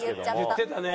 言ってたね！